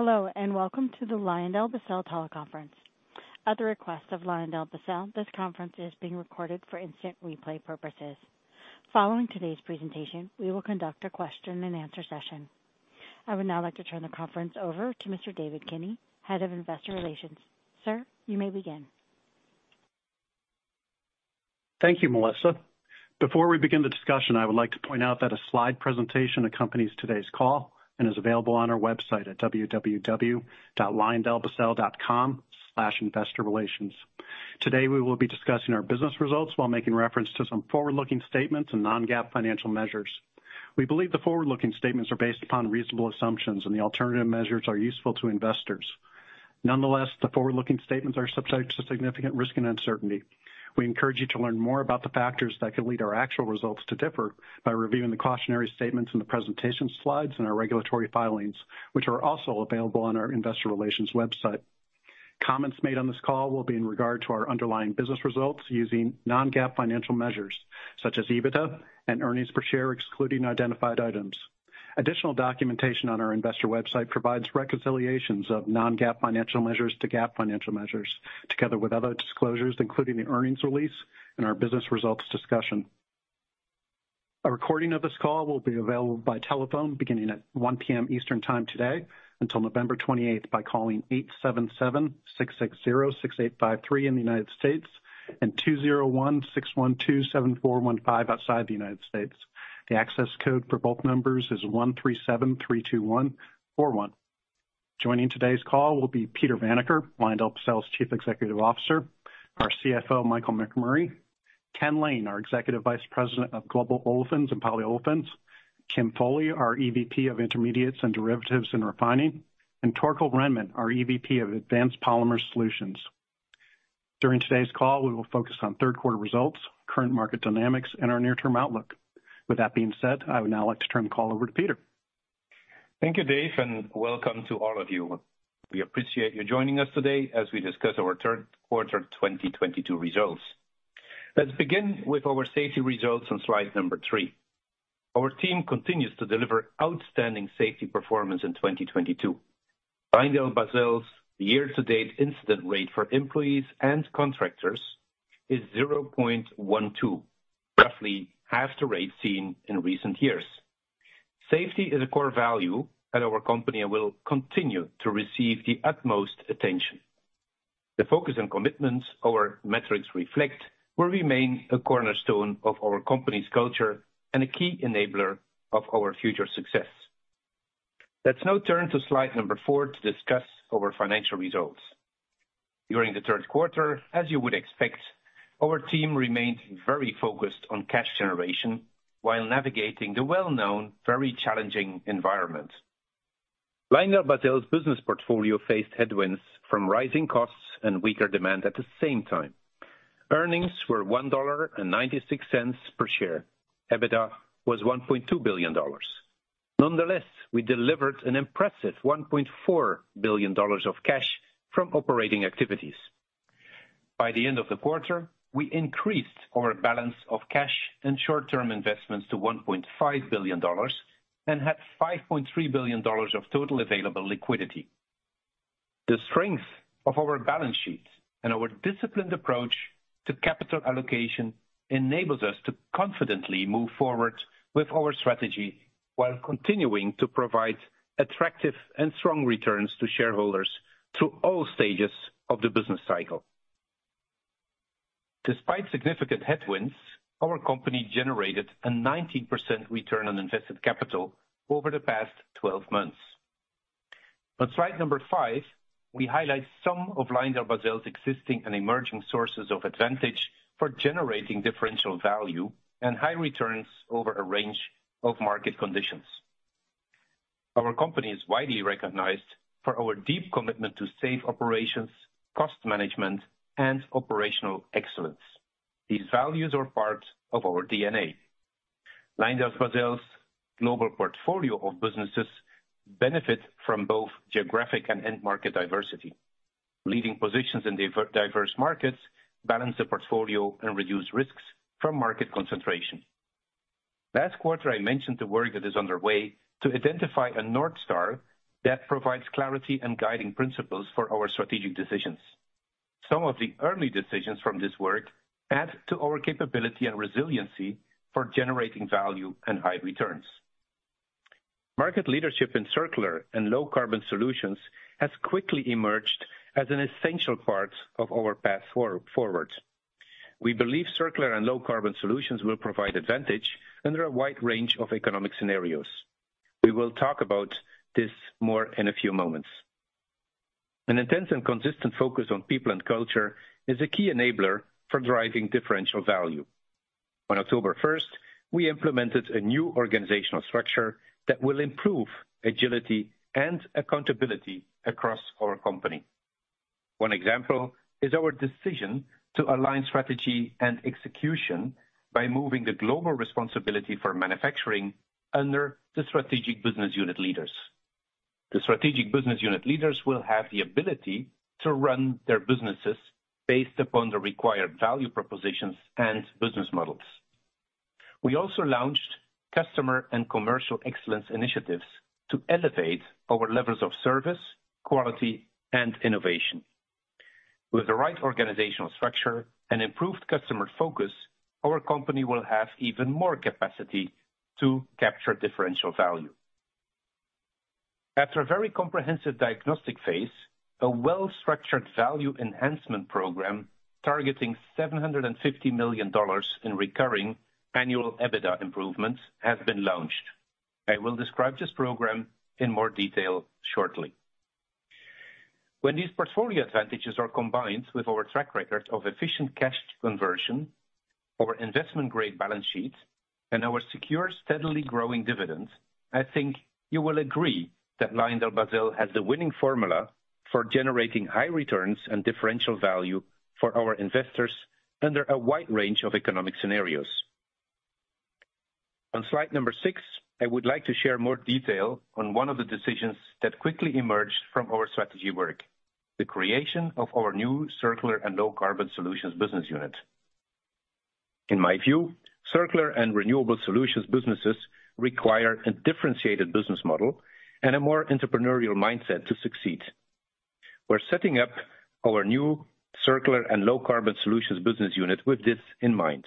Hello, and welcome to the LyondellBasell teleconference. At the request of LyondellBasell, this conference is being recorded for instant replay purposes. Following today's presentation, we will conduct a question-and-answer session. I would now like to turn the conference over to Mr. David Kinney, Head of Investor Relations. Sir, you may begin. Thank you, Melissa. Before we begin the discussion, I would like to point out that a slide presentation accompanies today's call and is available on our website at www.lyondellbasell.com/investorrelations. Today, we will be discussing our business results while making reference to some forward-looking statements and non-GAAP financial measures. We believe the forward-looking statements are based upon reasonable assumptions and the alternative measures are useful to investors. Nonetheless, the forward-looking statements are subject to significant risk and uncertainty. We encourage you to learn more about the factors that could lead our actual results to differ by reviewing the cautionary statements in the presentation slides and our regulatory filings, which are also available on our investor relations website. Comments made on this call will be in regard to our underlying business results using non-GAAP financial measures such as EBITDA and earnings per share, excluding identified items. Additional documentation on our investor website provides reconciliations of non-GAAP financial measures to GAAP financial measures, together with other disclosures, including the earnings release and our business results discussion. A recording of this call will be available by telephone beginning at 1:00 P.M. Eastern Time today until November 28th by calling 877-660-6853 in the United States and 201-612-7415 outside the United States. The access code for both numbers is 13732141. Joining today's call will be Peter Vanacker, LyondellBasell's Chief Executive Officer, our CFO, Michael McMurray, Ken Lane, our Executive Vice President of Global Olefins and Polyolefins, Kim Foley, our EVP of Intermediates and Derivatives and Refining, and Torkel Rhenman, our EVP of Advanced Polymer Solutions. During today's call, we will focus on third quarter results, current market dynamics, and our near-term outlook. With that being said, I would now like to turn the call over to Peter. Thank you, Dave, and welcome to all of you. We appreciate you joining us today as we discuss our third quarter 2022 results. Let's begin with our safety results on slide three. Our team continues to deliver outstanding safety performance in 2022. LyondellBasell's year-to-date incident rate for employees and contractors is 0.12%, roughly half the rate seen in recent years. Safety is a core value at our company and will continue to receive the utmost attention. The focus and commitments our metrics reflect will remain a cornerstone of our company's culture and a key enabler of our future success. Let's now turn to slide four to discuss our financial results. During the third quarter, as you would expect, our team remained very focused on cash generation while navigating the well-known, very challenging environment. LyondellBasell's business portfolio faced headwinds from rising costs and weaker demand at the same time. Earnings were $1.96 per share. EBITDA was $1.2 billion. Nonetheless, we delivered an impressive $1.4 billion of cash from operating activities. By the end of the quarter, we increased our balance of cash and short-term investments to $1.5 billion and had $5.3 billion of total available liquidity. The strength of our balance sheet and our disciplined approach to capital allocation enables us to confidently move forward with our strategy while continuing to provide attractive and strong returns to shareholders through all stages of the business cycle. Despite significant headwinds, our company generated a 19% return on invested capital over the past twelve months. On slide number five, we highlight some of LyondellBasell's existing and emerging sources of advantage for generating differential value and high returns over a range of market conditions. Our company is widely recognized for our deep commitment to safe operations, cost management, and operational excellence. These values are part of our DNA. LyondellBasell's global portfolio of businesses benefit from both geographic and end market diversity. Leading positions in diverse markets balance the portfolio and reduce risks from market concentration. Last quarter, I mentioned the work that is underway to identify a North Star that provides clarity and guiding principles for our strategic decisions. Some of the early decisions from this work add to our capability and resiliency for generating value and high returns. Market leadership in circular and low-carbon solutions has quickly emerged as an essential part of our path forward. We believe circular and low-carbon solutions will provide advantage under a wide range of economic scenarios. We will talk about this more in a few moments. An intense and consistent focus on people and culture is a key enabler for driving differential value. On October 1st, we implemented a new organizational structure that will improve agility and accountability across our company. One example is our decision to align strategy and execution by moving the global responsibility for manufacturing under the strategic business unit leaders. The strategic business unit leaders will have the ability to run their businesses based upon the required value propositions and business models. We also launched customer and commercial excellence initiatives to elevate our levels of service, quality, and innovation. With the right organizational structure and improved customer focus, our company will have even more capacity to capture differential value. After a very comprehensive diagnostic phase, a well-structured value enhancement program targeting $750 million in recurring annual EBITDA improvements has been launched. I will describe this program in more detail shortly. When these portfolio advantages are combined with our track record of efficient cash conversion, our investment-grade balance sheet, and our secure, steadily growing dividends, I think you will agree that LyondellBasell has the winning formula for generating high returns and differential value for our investors under a wide range of economic scenarios. On slide six, I would like to share more detail on one of the decisions that quickly emerged from our strategy work, the creation of our new Circular and Low Carbon Solutions business unit. In my view, circular and renewable solutions businesses require a differentiated business model and a more entrepreneurial mindset to succeed. We're setting up our new circular and low carbon solutions business unit with this in mind.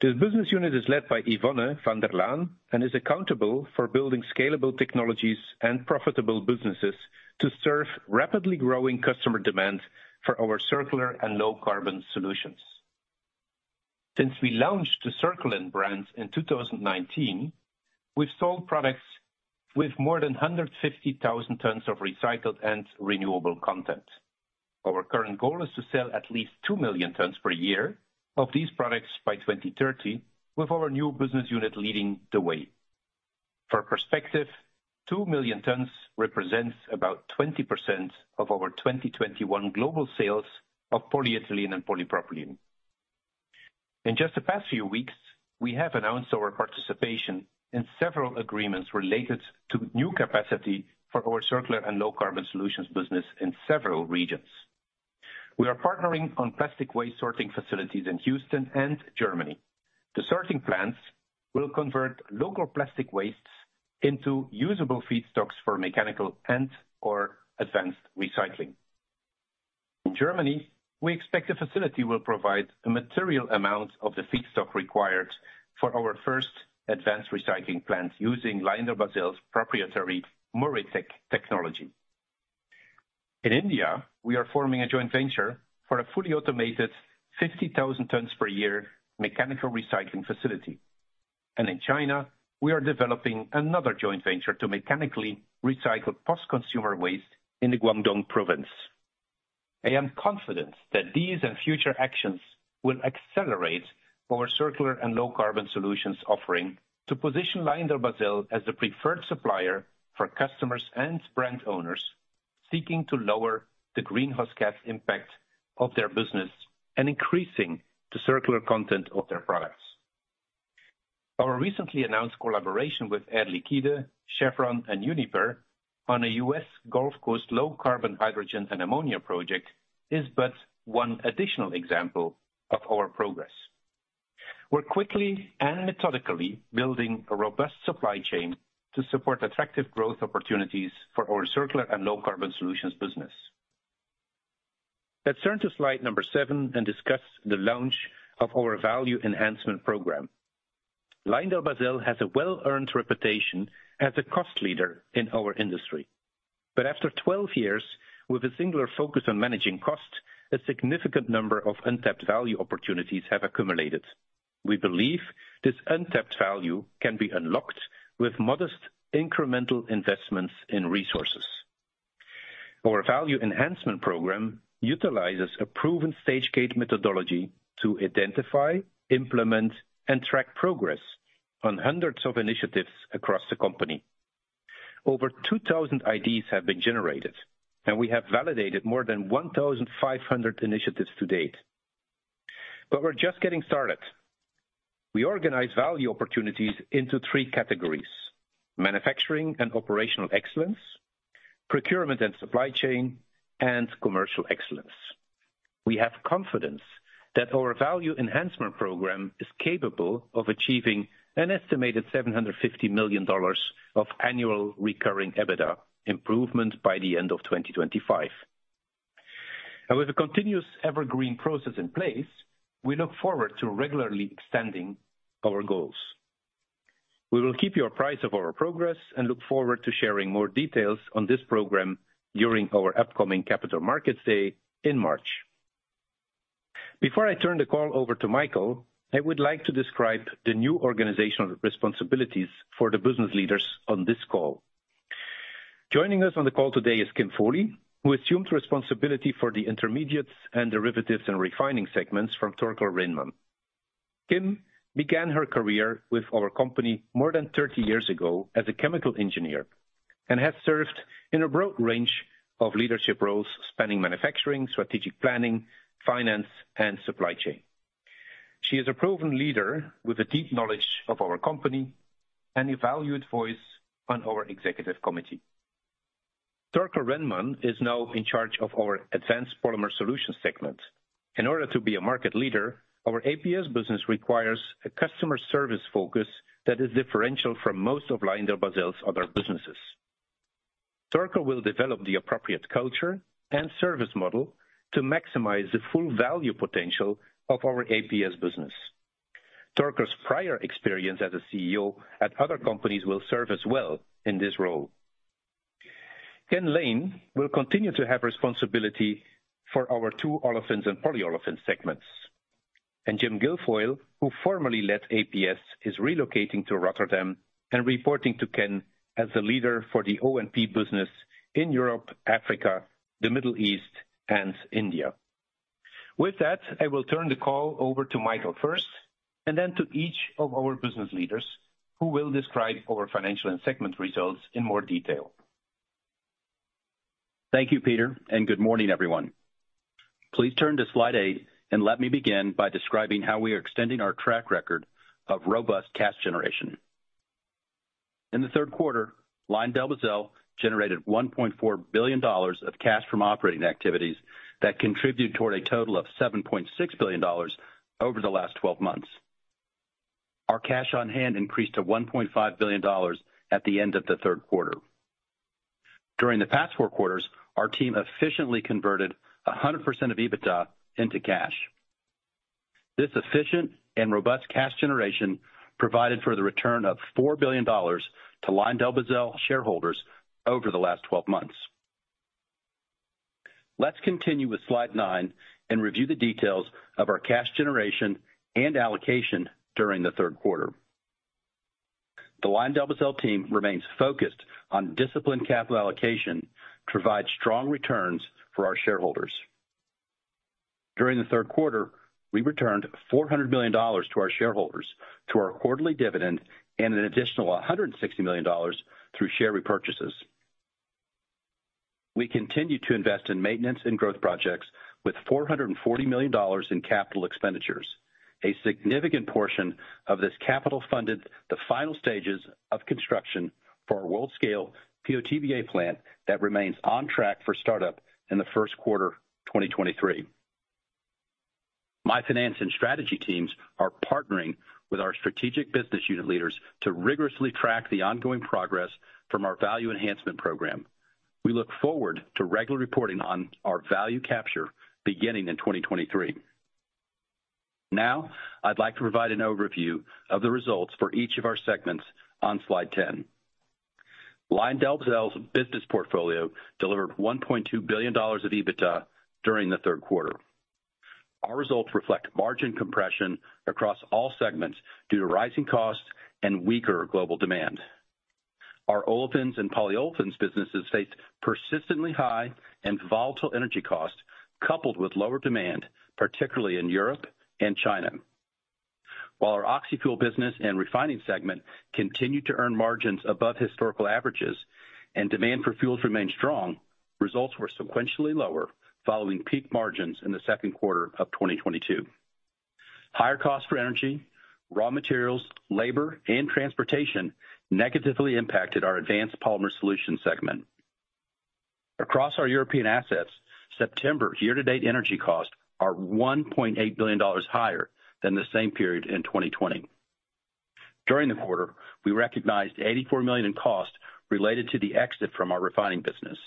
This business unit is led by Yvonne van der Laan and is accountable for building scalable technologies and profitable businesses to serve rapidly growing customer demand for our circular and low carbon solutions. Since we launched the Circulen brand in 2019, we've sold products with more than 150,000 tons of recycled and renewable content. Our current goal is to sell at least 2 million tons per year of these products by 2030 with our new business unit leading the way. For perspective, 2 million tons represents about 20% of our 2021 global sales of polyethylene and polypropylene. In just the past few weeks, we have announced our participation in several agreements related to new capacity for our circular and low carbon solutions business in several regions. We are partnering on plastic waste sorting facilities in Houston and Germany. The sorting plants will convert local plastic wastes into usable feedstocks for mechanical and/or advanced recycling. In Germany, we expect the facility will provide a material amount of the feedstock required for our first advanced recycling plant using LyondellBasell's proprietary MoReTec technology. In India, we are forming a joint venture for a fully automated 50,000 tons per year mechanical recycling facility. In China, we are developing another joint venture to mechanically recycle post-consumer waste in the Guangdong Province. I am confident that these and future actions will accelerate our circular and low carbon solutions offering to position LyondellBasell as the preferred supplier for customers and brand owners seeking to lower the greenhouse gas impact of their business and increasing the circular content of their products. Our recently announced collaboration with Air Liquide, Chevron, and Uniper on a US Gulf Coast low-carbon hydrogen and ammonia project is but one additional example of our progress. We're quickly and methodically building a robust supply chain to support attractive growth opportunities for our circular and low carbon solutions business. Let's turn to slide number seven and discuss the launch of our value enhancement program. LyondellBasell has a well-earned reputation as a cost leader in our industry. After 12 years with a singular focus on managing costs, a significant number of untapped value opportunities have accumulated. We believe this untapped value can be unlocked with modest incremental investments in resources. Our value enhancement program utilizes a proven stage gate methodology to identify, implement, and track progress on hundreds of initiatives across the company. Over 2,000 IDs have been generated, and we have validated more than 1,500 initiatives to date. We're just getting started. We organize value opportunities into three categories, manufacturing and operational excellence, procurement and supply chain, and commercial excellence. We have confidence that our value enhancement program is capable of achieving an estimated $750 million of annual recurring EBITDA improvement by the end of 2025. With a continuous evergreen process in place, we look forward to regularly extending our goals. We will keep you apprised of our progress and look forward to sharing more details on this program during our upcoming Capital Markets Day in March. Before I turn the call over to Michael, I would like to describe the new organizational responsibilities for the business leaders on this call. Joining us on the call today is Kim Foley, who assumed responsibility for the intermediates and derivatives and refining segments from Torkel Rhenman. Kim began her career with our company more than 30 years ago as a chemical engineer and has served in a broad range of leadership roles spanning manufacturing, strategic planning, finance, and supply chain. She is a proven leader with a deep knowledge of our company and a valued voice on our executive committee. Torkel Rhenman is now in charge of our Advanced Polymer Solutions segment. In order to be a market leader, our APS business requires a customer service focus that is differential from most of LyondellBasell's other businesses. Torkel Rhenman will develop the appropriate culture and service model to maximize the full value potential of our APS business. Torkel Rhenman's prior experience as a CEO at other companies will serve us well in this role. Ken Lane will continue to have responsibility for our two olefins and polyolefins segments. Jim Gilfoyle, who formerly led APS, is relocating to Rotterdam and reporting to Ken as the leader for the O&P business in Europe, Africa, the Middle East, and India. With that, I will turn the call over to Michael first, and then to each of our business leaders, who will describe our financial and segment results in more detail. Thank you, Peter, and good morning, everyone. Please turn to slide eight and let me begin by describing how we are extending our track record of robust cash generation. In the third quarter, LyondellBasell generated $1.4 billion of cash from operating activities that contribute toward a total of $7.6 billion over the last twelve months. Our cash on hand increased to $1.5 billion at the end of the third quarter. During the past four quarters, our team efficiently converted 100% of EBITDA into cash. This efficient and robust cash generation provided for the return of $4 billion to LyondellBasell shareholders over the last twelve months. Let's continue with slide nine and review the details of our cash generation and allocation during the third quarter. The LyondellBasell team remains focused on disciplined capital allocation to provide strong returns for our shareholders. During the third quarter, we returned $400 million to our shareholders through our quarterly dividend and an additional $160 million through share repurchases. We continue to invest in maintenance and growth projects with $440 million in capital expenditures. A significant portion of this capital funded the final stages of construction for our world-scale PO/TBA plant that remains on track for startup in the first quarter 2023. My finance and strategy teams are partnering with our strategic business unit leaders to rigorously track the ongoing progress from our value enhancement program. We look forward to regular reporting on our value capture beginning in 2023. Now, I'd like to provide an overview of the results for each of our segments on slide 10. LyondellBasell's business portfolio delivered $1.2 billion of EBITDA during the third quarter. Our results reflect margin compression across all segments due to rising costs and weaker global demand. Our olefins and polyolefins businesses faced persistently high and volatile energy costs, coupled with lower demand, particularly in Europe and China. While our I&D business and refining segment continued to earn margins above historical averages and demand for fuels remained strong, results were sequentially lower following peak margins in the second quarter of 2022. Higher costs for energy, raw materials, labor, and transportation negatively impacted our Advanced Polymer Solutions segment. Across our European assets, September year-to-date energy costs are $1.8 billion higher than the same period in 2020. During the quarter, we recognized $84 million in costs related to the exit from our refining business.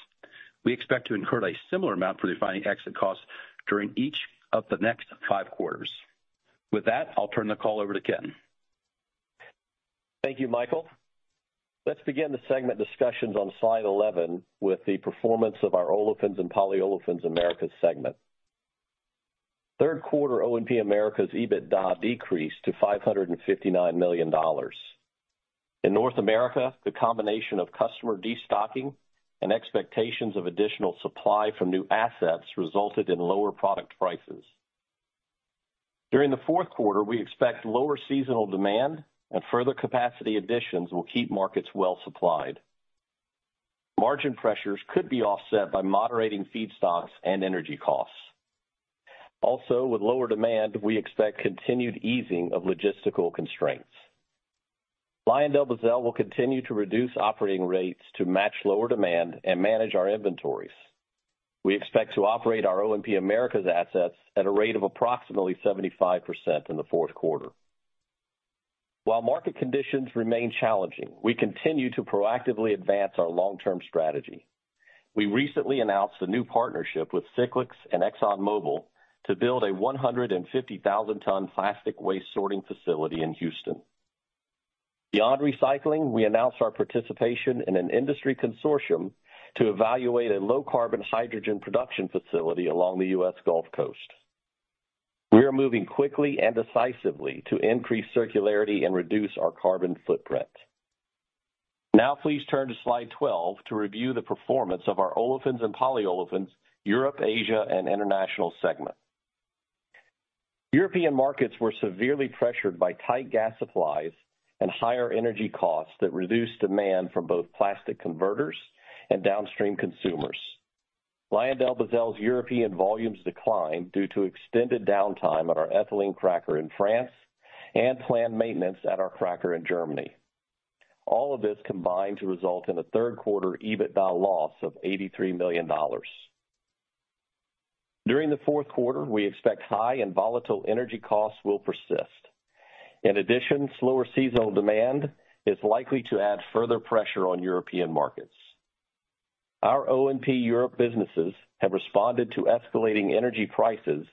We expect to incur a similar amount for refining exit costs during each of the next 5 quarters. With that, I'll turn the call over to Ken. Thank you, Michael. Let's begin the segment discussions on slide 11 with the performance of our Olefins and Polyolefins Americas segment. Third quarter O&P Americas EBITDA decreased to $559 million. In North America, the combination of customer destocking and expectations of additional supply from new assets resulted in lower product prices. During the fourth quarter, we expect lower seasonal demand and further capacity additions will keep markets well-supplied. Margin pressures could be offset by moderating feedstocks and energy costs. Also, with lower demand, we expect continued easing of logistical constraints. LyondellBasell will continue to reduce operating rates to match lower demand and manage our inventories. We expect to operate our O&P Americas assets at a rate of approximately 75% in the fourth quarter. While market conditions remain challenging, we continue to proactively advance our long-term strategy. We recently announced a new partnership with Cyclyx and ExxonMobil to build a 150,000 ton plastic waste sorting facility in Houston. Beyond recycling, we announced our participation in an industry consortium to evaluate a low-carbon hydrogen production facility along the U.S. Gulf Coast. We are moving quickly and decisively to increase circularity and reduce our carbon footprint. Now please turn to slide 12 to review the performance of our Olefins and Polyolefins Europe, Asia, and International segment. European markets were severely pressured by tight gas supplies and higher energy costs that reduced demand from both plastic converters and downstream consumers. LyondellBasell's European volumes declined due to extended downtime at our ethylene cracker in France and planned maintenance at our cracker in Germany. All of this combined to result in a third quarter EBITDA loss of $83 million. During the fourth quarter, we expect high and volatile energy costs will persist. In addition, slower seasonal demand is likely to add further pressure on European markets. Our O&P Europe businesses have responded to escalating energy prices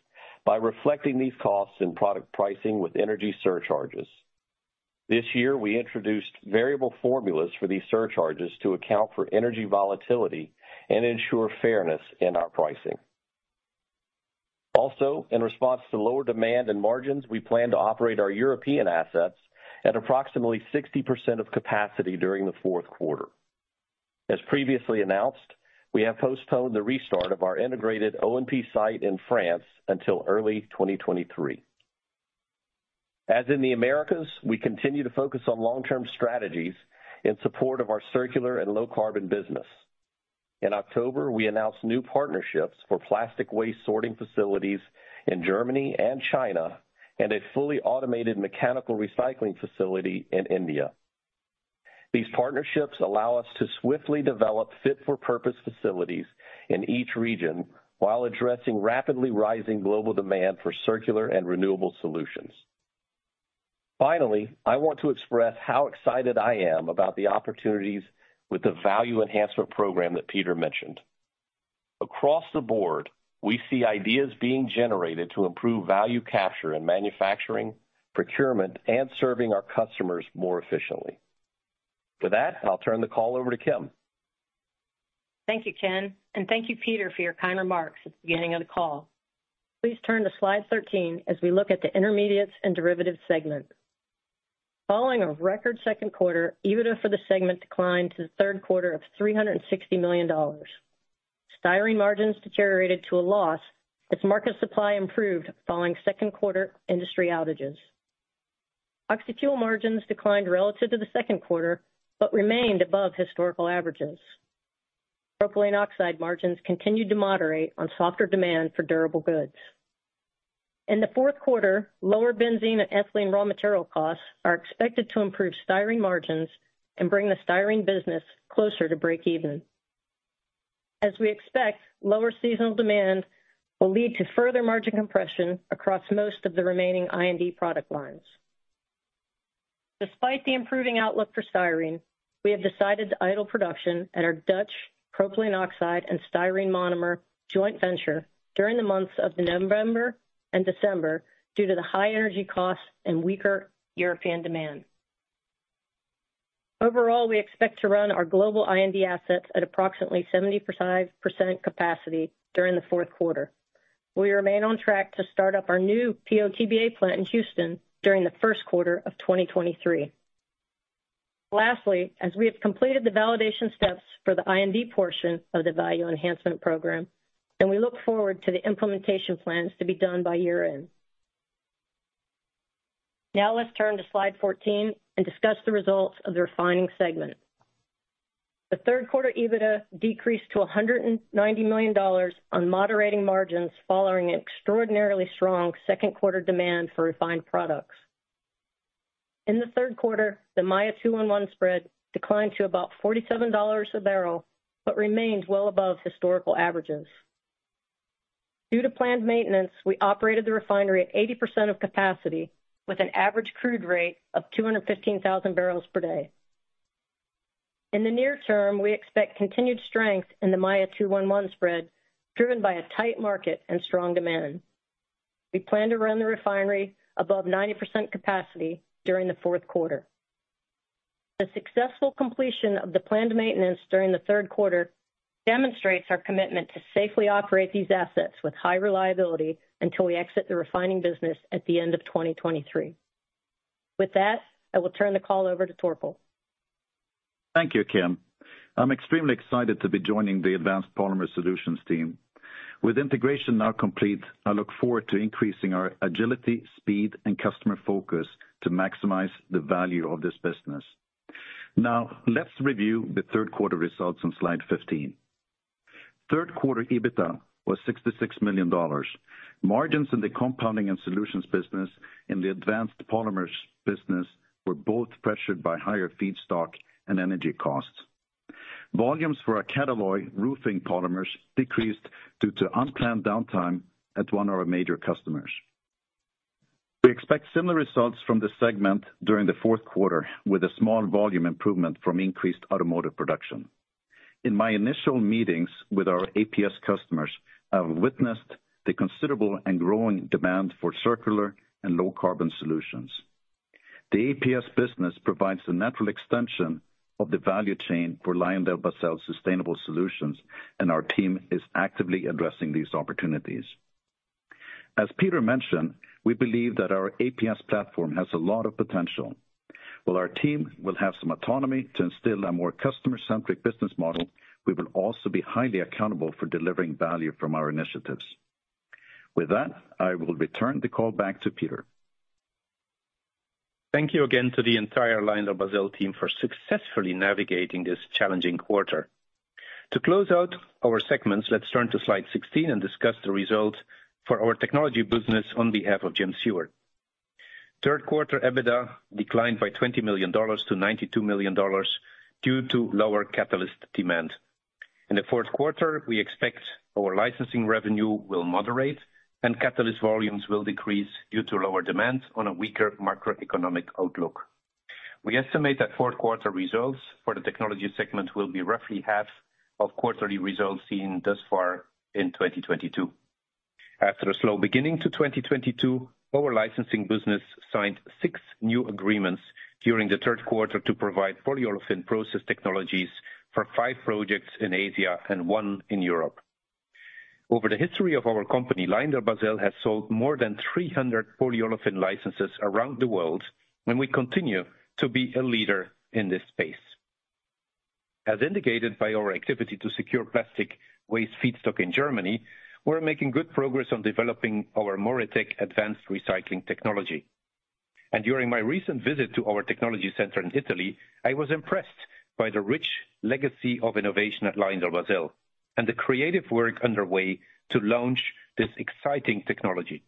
by reflecting these costs in product pricing with energy surcharges. This year, we introduced variable formulas for these surcharges to account for energy volatility and ensure fairness in our pricing. Also, in response to lower demand and margins, we plan to operate our European assets at approximately 60% of capacity during the fourth quarter. As previously announced, we have postponed the restart of our integrated O&P site in France until early 2023. As in the Americas, we continue to focus on long-term strategies in support of our circular and low carbon business. In October, we announced new partnerships for plastic waste sorting facilities in Germany and China, and a fully automated mechanical recycling facility in India. These partnerships allow us to swiftly develop fit for purpose facilities in each region while addressing rapidly rising global demand for circular and renewable solutions. Finally, I want to express how excited I am about the opportunities with the value enhancement program that Peter mentioned. Across the board, we see ideas being generated to improve value capture in manufacturing, procurement, and serving our customers more efficiently. For that, I'll turn the call over to Kim. Thank you, Ken, and thank you, Peter, for your kind remarks at the beginning of the call. Please turn to slide 13 as we look at the intermediates and derivatives segment. Following a record second quarter, EBITDA for the segment declined to the third quarter of $360 million. Styrene margins deteriorated to a loss as market supply improved following second quarter industry outages. Oxyfuel margins declined relative to the second quarter, but remained above historical averages. Propylene oxide margins continued to moderate on softer demand for durable goods. In the fourth quarter, lower benzene and ethylene raw material costs are expected to improve styrene margins and bring the styrene business closer to breakeven. As we expect, lower seasonal demand will lead to further margin compression across most of the remaining I&D product lines. Despite the improving outlook for styrene, we have decided to idle production at our Dutch propylene oxide and styrene monomer joint venture during the months of November and December due to the high energy costs and weaker European demand. Overall, we expect to run our global I&D assets at approximately 70% capacity during the fourth quarter. We remain on track to start up our new PO/TBA plant in Houston during the first quarter of 2023. Lastly, as we have completed the validation steps for the I&D portion of the value enhancement program, and we look forward to the implementation plans to be done by year-end. Now let's turn to slide 14 and discuss the results of the refining segment. The third quarter EBITDA decreased to $190 million on moderating margins following an extraordinarily strong second quarter demand for refined products. In the third quarter, the Maya 2-1-1 spread declined to about $47 a barrel, but remained well above historical averages. Due to planned maintenance, we operated the refinery at 80% of capacity with an average crude rate of 215,000 barrels per day. In the near term, we expect continued strength in the Maya 2-1-1 spread, driven by a tight market and strong demand. We plan to run the refinery above 90% capacity during the fourth quarter. The successful completion of the planned maintenance during the third quarter demonstrates our commitment to safely operate these assets with high reliability until we exit the refining business at the end of 2023. With that, I will turn the call over to Torkel Rhenman. Thank you, Kim. I'm extremely excited to be joining the Advanced Polymer Solutions team. With integration now complete, I look forward to increasing our agility, speed, and customer focus to maximize the value of this business. Now let's review the third quarter results on slide 15. Third quarter EBITDA was $66 million. Margins in the compounding and solutions business in the Advanced Polymers business were both pressured by higher feedstock and energy costs. Volumes for our Catalloy roofing polymers decreased due to unplanned downtime at one of our major customers. We expect similar results from this segment during the fourth quarter with a small volume improvement from increased automotive production. In my initial meetings with our APS customers, I have witnessed the considerable and growing demand for circular and low carbon solutions. The APS business provides the natural extension of the value chain for LyondellBasell's sustainable solutions, and our team is actively addressing these opportunities. As Peter mentioned, we believe that our APS platform has a lot of potential. While our team will have some autonomy to instill a more customer-centric business model, we will also be highly accountable for delivering value from our initiatives. With that, I will return the call back to Peter. Thank you again to the entire LyondellBasell team for successfully navigating this challenging quarter. To close out our segments, let's turn to slide 16 and discuss the results for our technology business on behalf of Jim Seward. Third quarter EBITDA declined by $20 million to $92 million due to lower catalyst demand. In the fourth quarter, we expect our licensing revenue will moderate and catalyst volumes will decrease due to lower demand on a weaker macroeconomic outlook. We estimate that fourth quarter results for the technology segment will be roughly half of quarterly results seen thus far in 2022. After a slow beginning to 2022, our licensing business signed six new agreements during the third quarter to provide polyolefin process technologies for five projects in Asia and one in Europe. Over the history of our company, LyondellBasell has sold more than 300 polyolefin licenses around the world, and we continue to be a leader in this space. As indicated by our activity to secure plastic waste feedstock in Germany, we're making good progress on developing our MoReTec advanced recycling technology. And during my recent visit to our technology center in Italy, I was impressed by the rich legacy of innovation at LyondellBasell and the creative work underway to launch this exciting technology.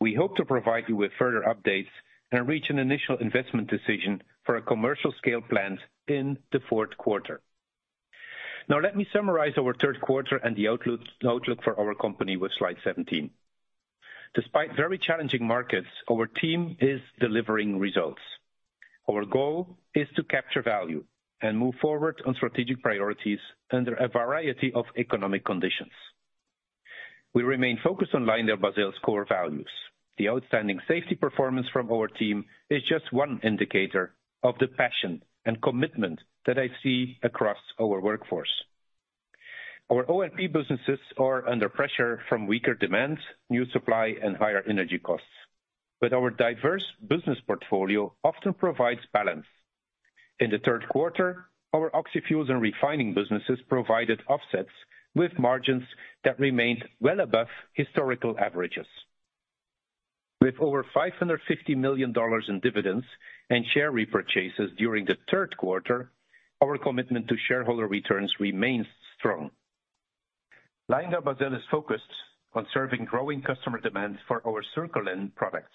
We hope to provide you with further updates and reach an initial investment decision for a commercial scale plant in the fourth quarter. Now let me summarize our third quarter and the outlook for our company with slide 17. Despite very challenging markets, our team is delivering results. Our goal is to capture value and move forward on strategic priorities under a variety of economic conditions. We remain focused on LyondellBasell's core values. The outstanding safety performance from our team is just one indicator of the passion and commitment that I see across our workforce. Our O&P businesses are under pressure from weaker demand, new supply, and higher energy costs, but our diverse business portfolio often provides balance. In the third quarter, our oxyfuels and refining businesses provided offsets with margins that remained well above historical averages. With over $550 million in dividends and share repurchases during the third quarter, our commitment to shareholder returns remains strong. LyondellBasell is focused on serving growing customer demand for our Circulen products.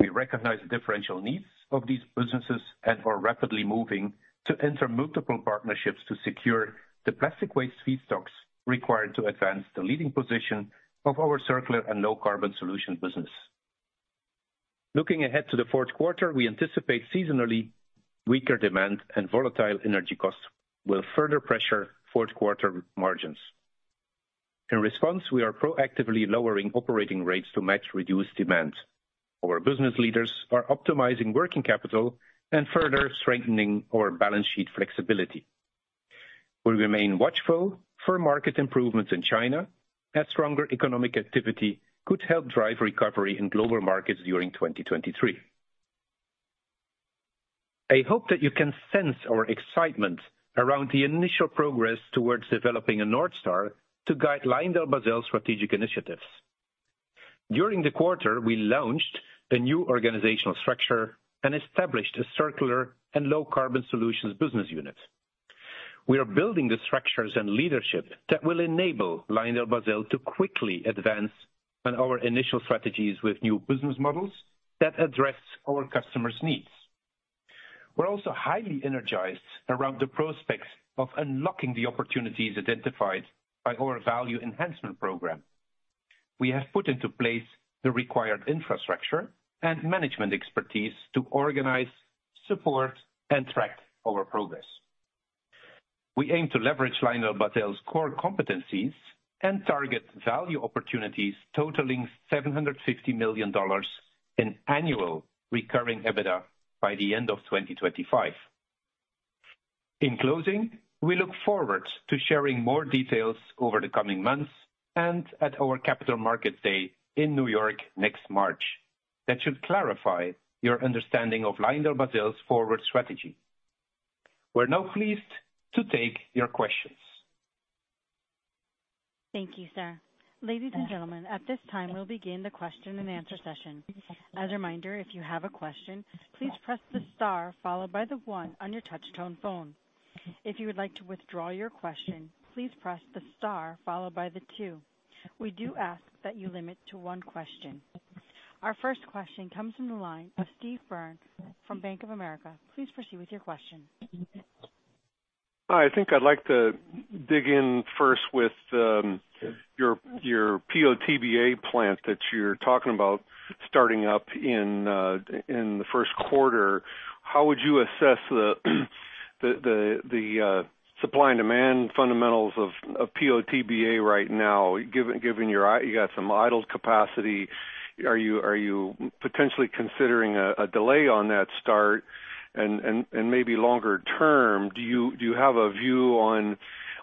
We recognize the differential needs of these businesses and are rapidly moving to enter multiple partnerships to secure the plastic waste feedstocks required to advance the leading position of our circular and low carbon solution business. Looking ahead to the fourth quarter, we anticipate seasonally weaker demand and volatile energy costs will further pressure fourth quarter margins. In response, we are proactively lowering operating rates to match reduced demand. Our business leaders are optimizing working capital and further strengthening our balance sheet flexibility. We remain watchful for market improvements in China, as stronger economic activity could help drive recovery in global markets during 2023. I hope that you can sense our excitement around the initial progress towards developing a North Star to guide LyondellBasell's strategic initiatives. During the quarter, we launched a new organizational structure and established a Circular and Low Carbon Solutions business unit. We are building the structures and leadership that will enable LyondellBasell to quickly advance on our initial strategies with new business models that address our customers' needs. We're also highly energized around the prospects of unlocking the opportunities identified by our value enhancement program. We have put into place the required infrastructure and management expertise to organize, support, and track our progress. We aim to leverage LyondellBasell's core competencies and target value opportunities totaling $750 million in annual recurring EBITDA by the end of 2025. In closing, we look forward to sharing more details over the coming months and at our Capital Market Day in New York next March. That should clarify your understanding of LyondellBasell's forward strategy. We're now pleased to take your questions. Thank you, Sir. Ladies and gentlemen, at this time, we'll begin the question-and-answer session. As a reminder, if you have a question, please press the star followed by the one on your touch tone phone. If you would like to withdraw your question, please press the star followed by the two. We do ask that you limit to one question. Our first question comes from the line of Steve Byrne from Bank of America. Please proceed with your question. I think I'd like to dig in first with your PO/TBA plant that you're talking about starting up in the first quarter. How would you assess the supply and demand fundamentals of PO/TBA right now? Given your idled capacity, are you potentially considering a delay on that start? Maybe longer term, do you have a view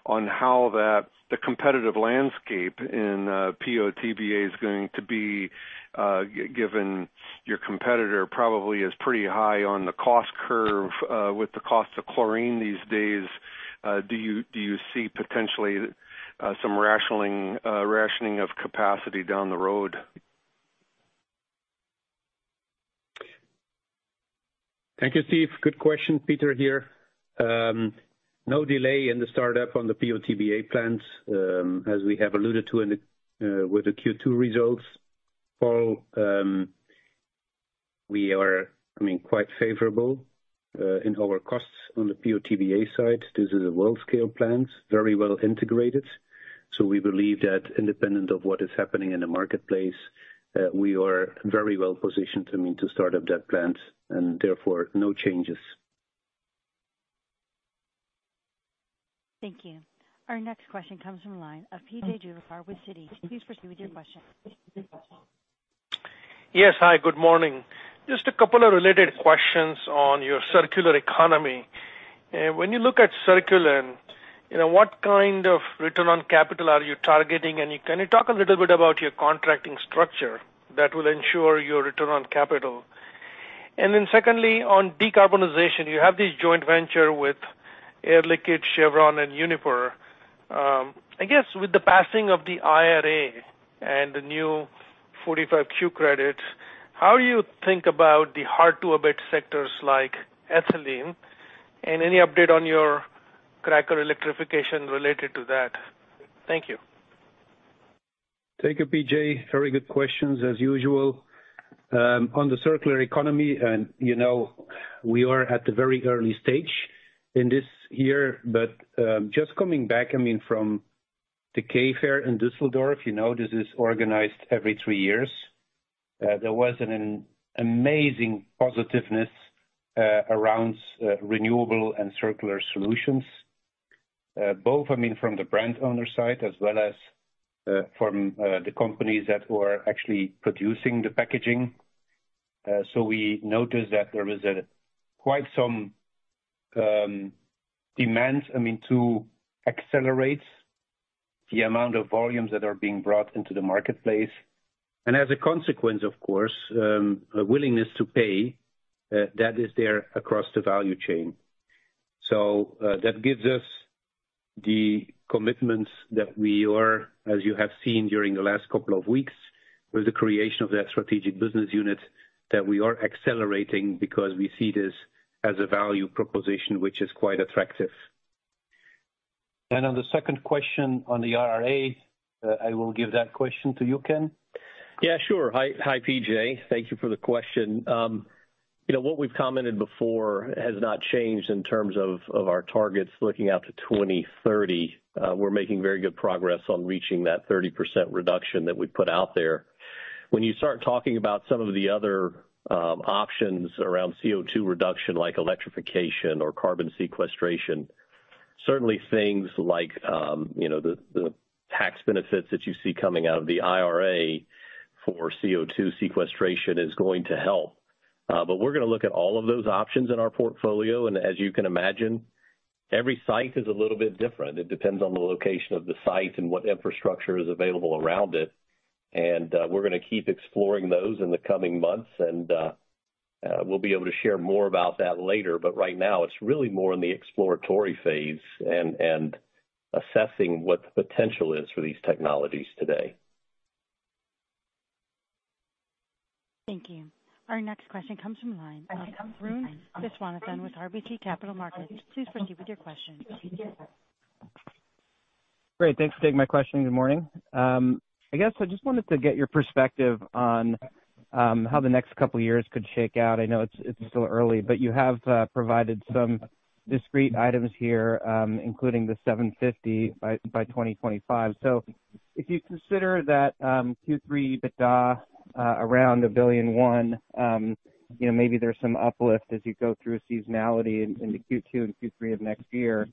on how the competitive landscape in PO/TBA is going to be, given your competitor probably is pretty high on the cost curve, with the cost of chlorine these days, do you see potentially some rationing of capacity down the road? Thank you, Steve. Good question. Peter here. No delay in the startup on the PO/TBA plant. As we have alluded to with the Q2 results call, we are, I mean, quite favorable in our costs on the PO/TBA side. This is a world scale plant, very well integrated. We believe that independent of what is happening in the marketplace, we are very well positioned, I mean, to start up that plant and therefore no changes. Thank you. Our next question comes from the line of P.J. Juvekar with Citi. Please proceed with your question. Yes. Hi, good morning. Just a couple of related questions on your circular economy. When you look at Circulen, you know, what kind of return on capital are you targeting? And can you talk a little bit about your contracting structure that will ensure your return on capital? And then secondly, on decarbonization, you have this joint venture with Air Liquide, Chevron and Uniper. I guess with the passing of the IRA and the new 45 Q credits, how do you think about the hard-to-abate sectors like ethylene? And any update on your cracker electrification related to that? Thank you. Thank you, P.J. Very good questions as usual. On the circular economy and, you know, we are at the very early stage in this year. Just coming back, I mean, from the K Fair in Düsseldorf, you know, this is organized every three years. There was an amazing positiveness around renewable and circular solutions. Both, I mean, from the brand owner side as well as from the companies that were actually producing the packaging. We noticed that there is quite some demand, I mean, to accelerate the amount of volumes that are being brought into the marketplace. As a consequence of course, a willingness to pay that is there across the value chain. So that gives us the commitments that we are, as you have seen during the last couple of weeks, with the creation of that strategic business unit, that we are accelerating because we see this as a value proposition which is quite attractive. On the second question on the IRA, I will give that question to you, Ken. Yeah, sure. Hi, hi, P.J. Thank you for the question. You know, what we've commented before has not changed in terms of our targets looking out to 2030. We're making very good progress on reaching that 30% reduction that we put out there. When you start talking about some of the other options around CO2 reduction, like electrification or carbon sequestration, certainly things like the tax benefits that you see coming out of the IRA for CO2 sequestration is going to help. We're gonna look at all of those options in our portfolio. As you can imagine, every site is a little bit different. It depends on the location of the site and what infrastructure is available around it. And we're gonna keep exploring those in the coming months, and we'll be able to share more about that later. Right now, it's really more in the exploratory phase and assessing what the potential is for these technologies today. Thank you. Our next question comes from line of Arun Viswanathan with RBC Capital Markets. Please proceed with your question. Great. Thanks for taking my question. Good morning. I guess I just wanted to get your perspective on how the next couple of years could shake out. I know it's still early, but you have provided some discrete items here, including the $750 by 2025 though. If you consider that, Q3 EBITDA around $1.1 billion, you know, maybe there's some uplift as you go through seasonality into Q2 and Q3 of next year,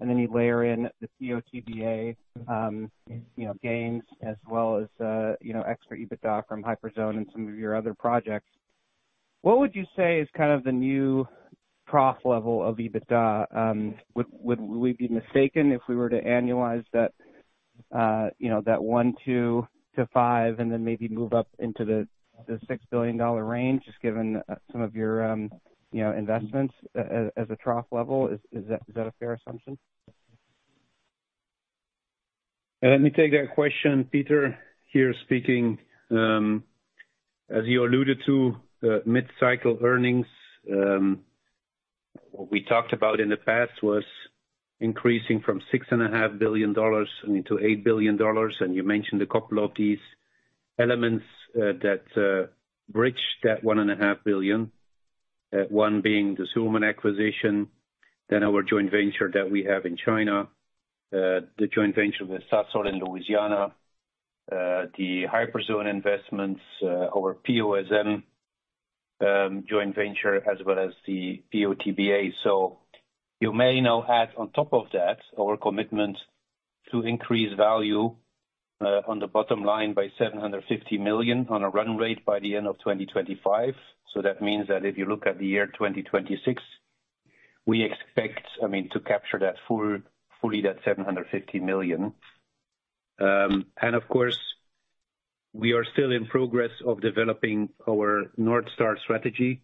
and then you layer in the PO/TBA, you know, gains as well as you know, extra EBITDA from Hyperzone and some of your other projects. What would you say is kind of the new trough level of EBITDA? Would we be mistaken if we were to annualize that, you know, that $1-$2 to $5 billion and then maybe move up into the $6 billion range, just given some of your, you know, investments as a trough level? Is that a fair assumption? Let me take that question. Peter Vanacker here speaking. As you alluded to, mid-cycle earnings, what we talked about in the past was increasing from $6.5 billion into $8 billion. You mentioned a couple of these elements that bridge that $1.5 billion, one being the A. Schulman acquisition, then our joint venture that we have in China, the joint venture with Sasol in Louisiana, the Hyperzone investments, our POSM joint venture, as well as the PO/TBA. You may now add on top of that our commitment to increase value on the bottom line by $750 million on a run rate by the end of 2025. That means that if you look at the year 2026, we expect, I mean, to capture fully that $750 million. Of course, we are still in the process of developing our North Star strategy.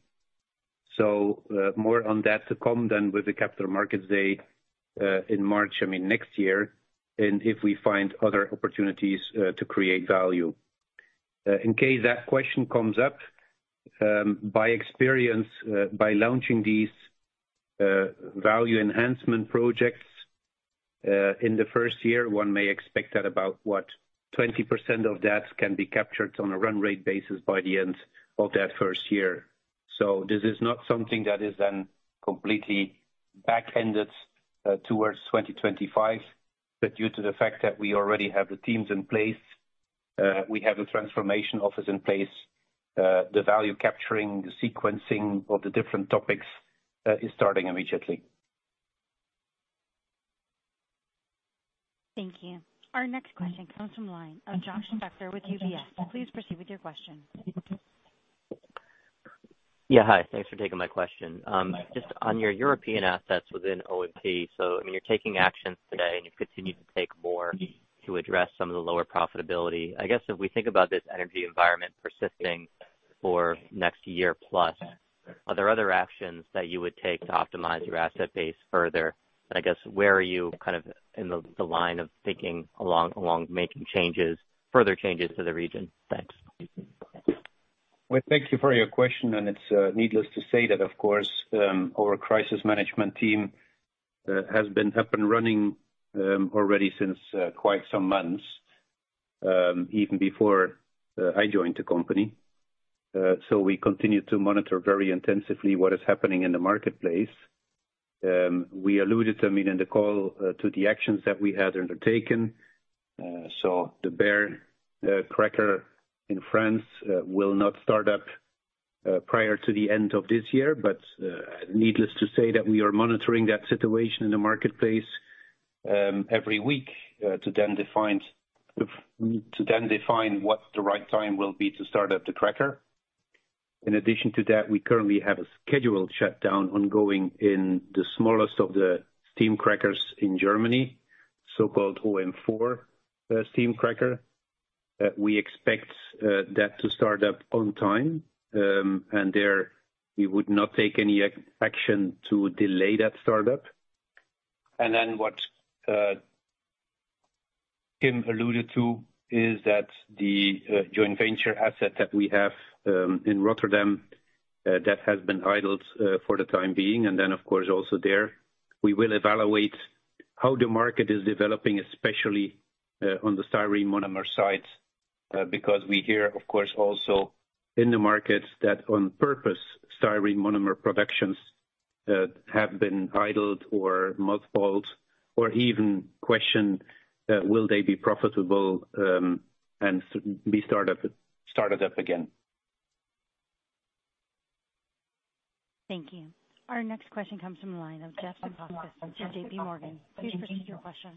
More on that to come then with the Capital Markets Day in March, I mean, next year. If we find other opportunities to create value. In case that question comes up, from experience, by launching these value enhancement projects in the first year, one may expect that about 20% of that can be captured on a run rate basis by the end of that first year. This is not something that is then completely back-ended towards 2025. Due to the fact that we already have the teams in place, we have a transformation office in place, the value capturing, the sequencing of the different topics, is starting immediately. Thank you. Our next question comes from the line of Josh Spector with UBS. Please proceed with your question. Yeah. Hi. Thanks for taking my question. Just on your European assets within O&P, so, I mean, you're taking actions today, and you've continued to take more to address some of the lower profitability. I guess, if we think about this energy environment persisting for next year plus, are there other actions that you would take to optimize your asset base further? I guess, where are you kind of in the line of thinking along making changes, further changes to the region? Thanks. Well, thank you for your question. It's needless to say that, of course, our crisis management team has been up and running already since quite some months, even before I joined the company. We continue to monitor very intensively what is happening in the marketplace. We alluded, I mean, in the call, to the actions that we had undertaken. The Berre cracker in France will not start up prior to the end of this year. Needless to say that we are monitoring that situation in the marketplace every week to then define what the right time will be to start up the cracker. In addition to that, we currently have a scheduled shutdown ongoing in the smallest of the steam crackers in Germany, so-called OM four steam cracker. We expect that to start up on time. There we would not take any action to delay that start-up. What Kim alluded to is that the joint venture asset that we have in Rotterdam that has been idled for the time being. Of course, also there, we will evaluate how the market is developing, especially on the styrene monomer side, because we hear, of course, also in the markets that on purpose styrene monomer productions have been idled or mothballed or even questioned, will they be profitable, and be started up again. Thank you. Our next question comes from the line of Jeff from J.P. Morgan. Please proceed with your question.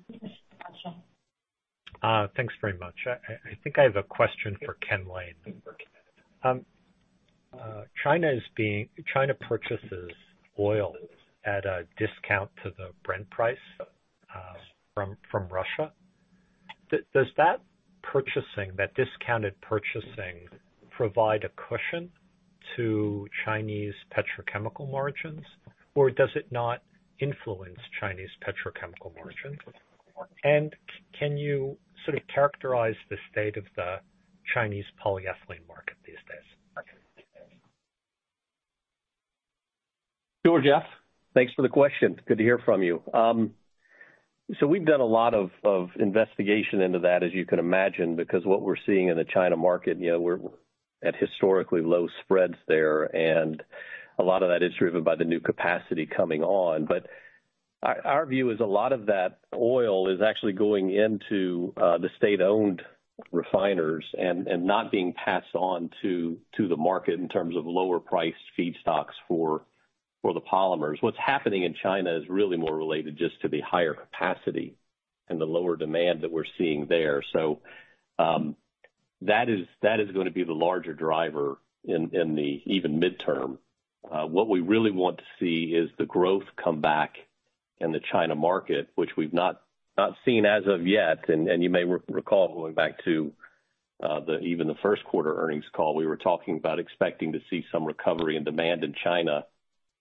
Thanks very much. I think I have a question for Ken Lane. China purchases oil at a discount to the Brent price from Russia. Does that purchasing, that discounted purchasing provide a cushion to Chinese petrochemical margins, or does it not influence Chinese petrochemical margins? Can you sort of characterize the state of the Chinese polyethylene market these days? Sure, Jeff. Thanks for the question. Good to hear from you. We've done a lot of investigation into that, as you can imagine, because what we're seeing in the China market, you know, we're at historically low spreads there, and a lot of that is driven by the new capacity coming on. Our view is a lot of that oil is actually going into the state-owned refiners and not being passed on to the market in terms of lower priced feedstocks for the polymers. What's happening in China is really more related just to the higher capacity and the lower demand that we're seeing there. That is gonna be the larger driver in the even midterm. What we really want to see is the growth come back in the China market, which we've not seen as of yet. You may recall, going back to even the first quarter earnings call, we were talking about expecting to see some recovery in demand in China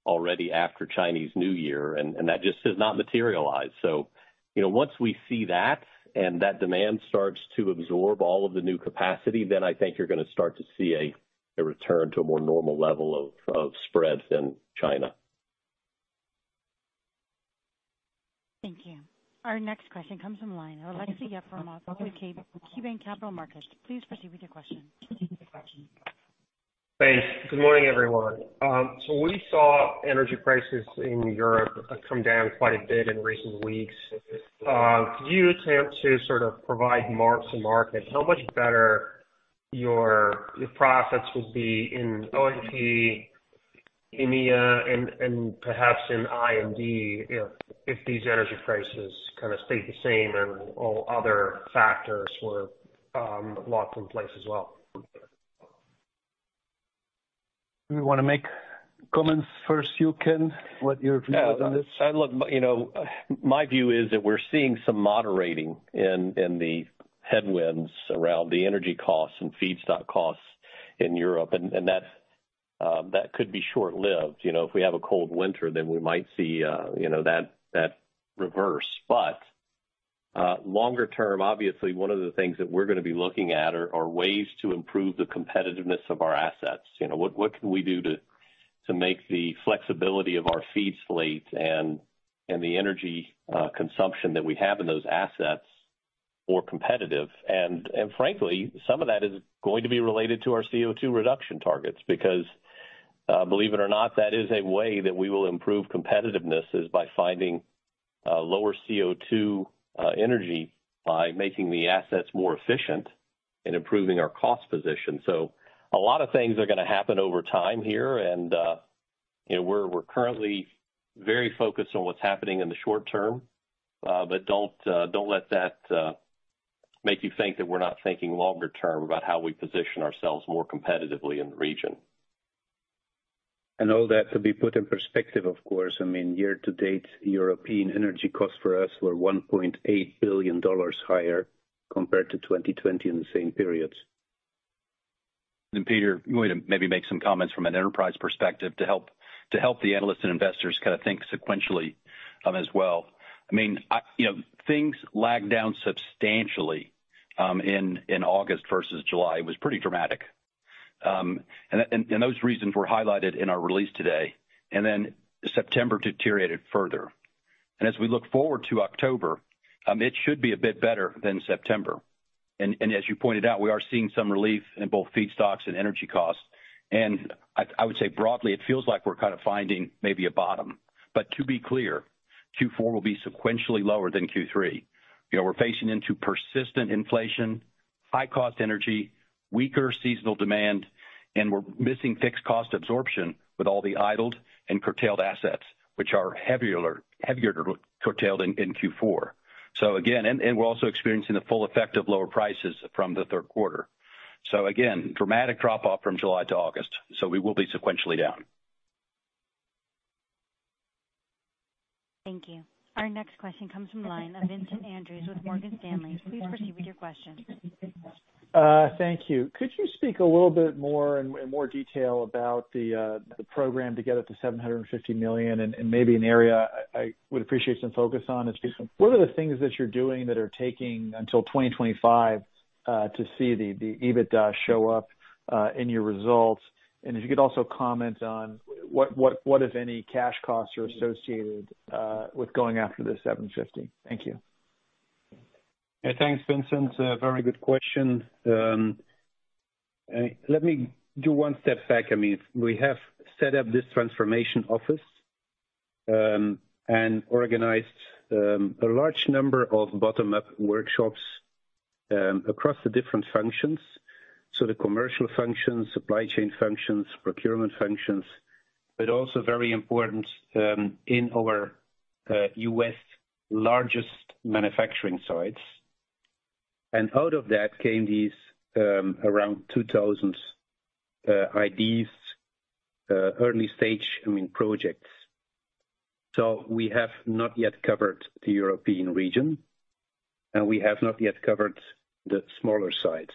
already after Chinese New Year, and that just has not materialized. You know, once we see that and that demand starts to absorb all of the new capacity, then I think you're gonna start to see a return to a more normal level of spread in China. Thank you. Our next question comes from the line of Aleksey Yefremov from KeyBanc Capital Markets. Please proceed with your question. Thanks. Good morning, everyone. We saw energy prices in Europe come down quite a bit in recent weeks. Could you attempt to sort of provide marks and markets how much better your profits would be in O&P, EMEA and perhaps in I&D if these energy prices kinda stayed the same and all other factors were locked in place as well? You wanna make comments first, Ken? What's your view on this? Yeah. Look, you know, my view is that we're seeing some moderating in the headwinds around the energy costs and feedstock costs in Europe, and that could be short-lived. You know, if we have a cold winter, then we might see, you know, that reverse. But longer term, obviously, one of the things that we're gonna be looking at are ways to improve the competitiveness of our assets. You know, what can we do to make the flexibility of our feed slate and the energy consumption that we have in those assets more competitive? And frankly, some of that is going to be related to our CO₂ reduction targets, because believe it or not, that is a way that we will improve competitiveness, is by finding lower CO₂ energy by making the assets more efficient and improving our cost position. A lot of things are gonna happen over time here. You know, we're currently very focused on what's happening in the short term. Don't let that make you think that we're not thinking longer term about how we position ourselves more competitively in the region. All that to be put in perspective, of course, I mean, year to date, European energy costs for us were $1.8 billion higher compared to 2020 in the same periods. Peter, I'm going to maybe make some comments from an enterprise perspective to help the analysts and investors kinda think sequentially, as well. I mean, you know, things lagged down substantially in August versus July. It was pretty dramatic. Those reasons were highlighted in our release today, then September deteriorated further. As we look forward to October, it should be a bit better than September. As you pointed out, we are seeing some relief in both feedstocks and energy costs. I would say broadly, it feels like we're kind of finding maybe a bottom. To be clear, Q4 will be sequentially lower than Q3. You know, we're facing into persistent inflation, high-cost energy, weaker seasonal demand, and we're missing fixed cost absorption with all the idled and curtailed assets, which are heavier to curtail in Q4. We're also experiencing the full effect of lower prices from the third quarter. Again, dramatic drop-off from July to August, so we will be sequentially down. Thank you. Our next question comes from line of Vincent Andrews with Morgan Stanley. Please proceed with your question. Thank you. Could you speak a little bit more in more detail about the program to get up to $750 million? Maybe an area I would appreciate some focus on is just what are the things that you're doing that are taking until 2025 to see the EBITDA show up in your results? If you could also comment on what, if any, cash costs are associated with going after the $750 million. Thank you. Yeah. Thanks, Vincent. A very good question. Let me take one step back. I mean, we have set up this transformation office, and organized a large number of bottom-up workshops across the different functions. The commercial functions, supply chain functions, procurement functions, but also very important in our U.S. largest manufacturing sites. Out of that came these around 2,000 ideas early stage, I mean, projects. We have not yet covered the European region, and we have not yet covered the smaller sites.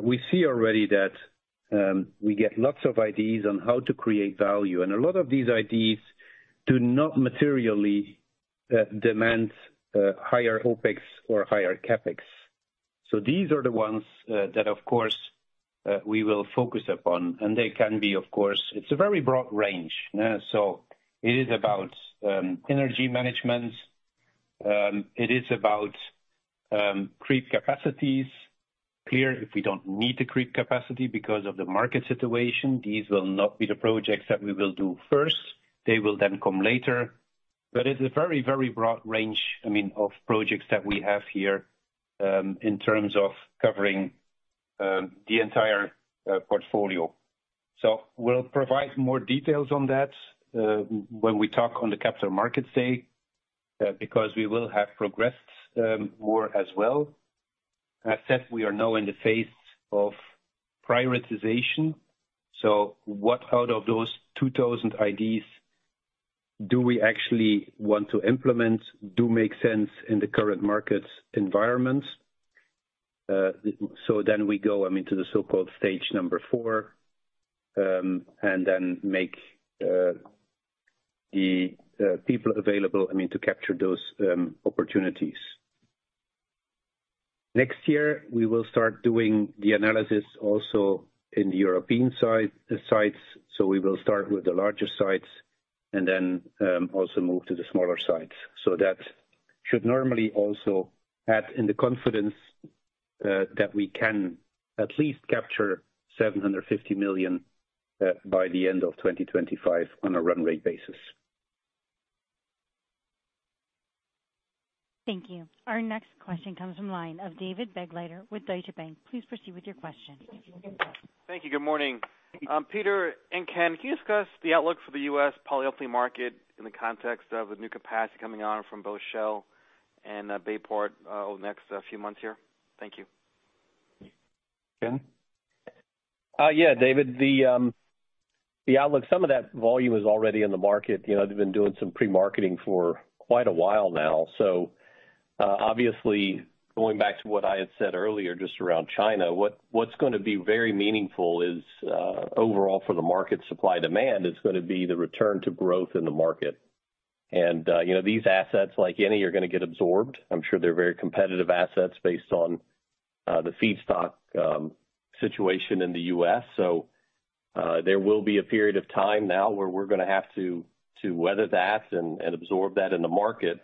We see already that we get lots of ideas on how to create value, and a lot of these ideas do not materially demand higher OpEx or higher CapEx. These are the ones that of course we will focus upon. They can be of course, it's a very broad range. It is about energy management. It is about creep capacities. Clearly, if we don't need the creep capacity because of the market situation, these will not be the projects that we will do first. They will then come later. It's a very broad range, I mean, of projects that we have here in terms of covering the entire portfolio. We'll provide more details on that when we talk on the Capital Markets Day because we will have progressed more as well. As said, we are now in the phase of prioritization. What out of those 2,000 ideas do we actually want to implement that make sense in the current market environment? We go, I mean, to the so-called stage number four, and then make the people available, I mean, to capture those opportunities. Next year, we will start doing the analysis also in the European sites. We will start with the larger sites and then also move to the smaller sites. That should normally also add in the confidence that we can at least capture $750 million by the end of 2025 on a run rate basis. Thank you. Our next question comes from line of David Begleiter with Deutsche Bank. Please proceed with your question. Thank you. Good morning. Peter and Ken, can you discuss the outlook for the U.S. polyolefin market in the context of the new capacity coming on from both Shell and Baystar over the next few months here? Thank you. Ken? Yeah, David, the outlook, some of that volume is already in the market. You know, they've been doing some pre-marketing for quite a while now. Obviously going back to what I had said earlier, just around China, what's gonna be very meaningful is overall for the market, supply demand is gonna be the return to growth in the market. You know, these assets, like any, are gonna get absorbed. I'm sure they're very competitive assets based on the feedstock situation in the U.S. There will be a period of time now where we're gonna have to weather that and absorb that in the market.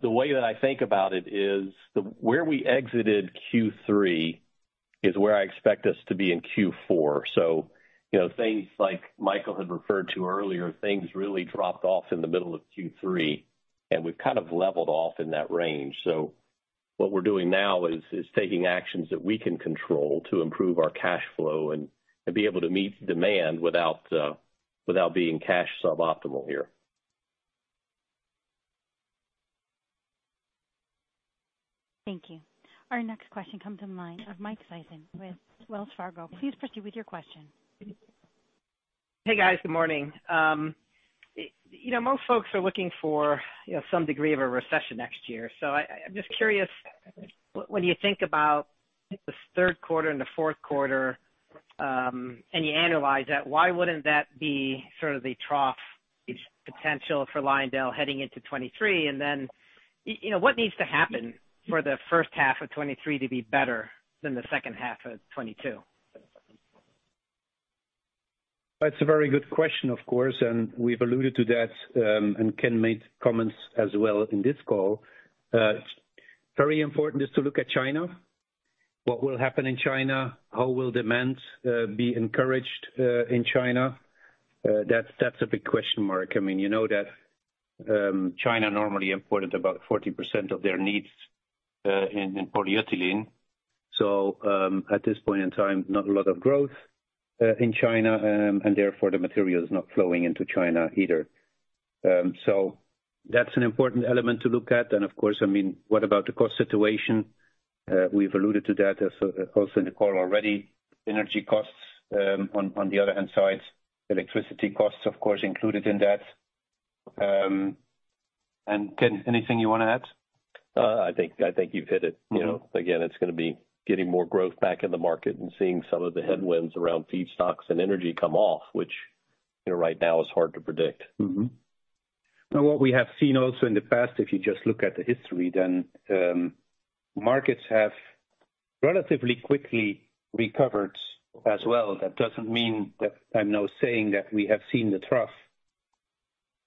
The way that I think about it is where we exited Q3 is where I expect us to be in Q4. You know, things like Michael had referred to earlier, things really dropped off in the middle of Q3, and we've kind of leveled off in that range. What we're doing now is taking actions that we can control to improve our cash flow and be able to meet demand without being cash suboptimal here. Thank you. Our next question comes from Michael Sison with Wells Fargo. Please proceed with your question. Hey, guys. Good morning. You know, most folks are looking for, you know, some degree of a recession next year, so I'm just curious, when you think about the third quarter and the fourth quarter, and you analyze that, why wouldn't that be sort of the thought potential for Lyondell heading into 2023? You know, what needs to happen for the first half of 2023 to be better than the second half of 2022? That's a very good question, of course, and we've alluded to that, and Ken made comments as well in this call. Very important is to look at China. What will happen in China? How will demand be encouraged in China? That's a big question mark. I mean, you know that, China normally imported about 40% of their needs in polyethylene. So, at this point in time, not a lot of growth in China, and therefore the material is not flowing into China either. So that's an important element to look at. Of course, I mean, what about the cost situation? We've alluded to that also in the call already. Energy costs on the other hands. Electricity costs, of course, included in that. Ken, anything you wanna add? I think you've hit it. Mm-hmm. You know, again, it's gonna be getting more growth back in the market and seeing some of the headwinds around feedstocks and energy come off, which, you know, right now is hard to predict. Now what we have seen also in the past, if you just look at the history, then, markets have relatively quickly recovered as well. That doesn't mean that I'm now saying that we have seen the trough,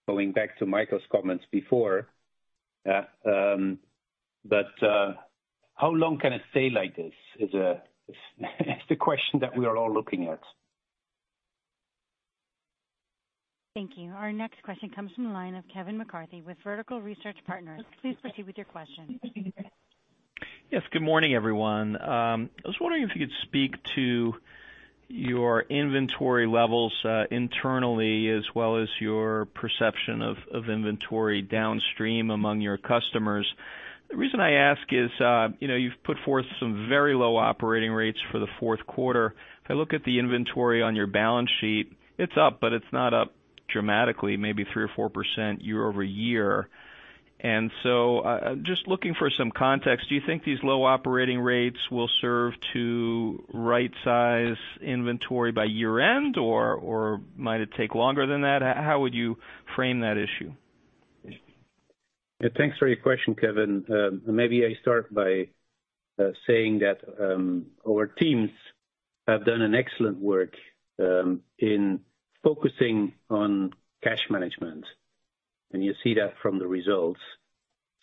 going back to Michael's comments before. How long can it stay like this is the question that we are all looking at. Thank you. Our next question comes from the line of Kevin McCarthy with Vertical Research Partners. Please proceed with your question. Yes, good morning, everyone. I was wondering if you could speak to your inventory levels, internally as well as your perception of inventory downstream among your customers. The reason I ask is, you know, you've put forth some very low operating rates for the fourth quarter. If I look at the inventory on your balance sheet, it's up, but it's not up dramatically, maybe 3% or 4% year-over-year. Just looking for some context, do you think these low operating rates will serve to right size inventory by year end? Or might it take longer than that? How would you frame that issue? Yeah. Thanks for your question, Kevin. Maybe I start by saying that our teams have done an excellent work in focusing on cash management, and you see that from the results.